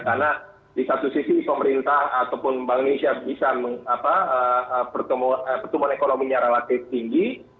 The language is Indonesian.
karena di satu sisi pemerintah ataupun bank indonesia bisa pertumbuhan ekonominya relatif tinggi